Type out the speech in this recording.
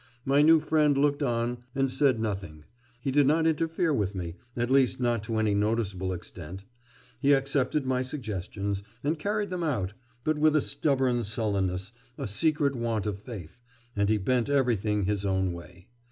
My new friend looked on and said nothing; he did not interfere with me, at least not to any noticeable extent. He accepted my suggestions, and carried them out, but with a stubborn sullenness, a secret want of faith; and he bent everything his own way.